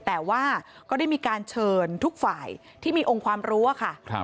แต่ว่าก็ได้มีการเชิญทุกฝ่ายที่มีองค์ความรู้ค่ะ